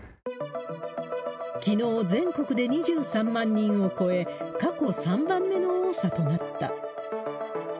きのう、全国で２３万人を超え、過去３番目の多さとなった。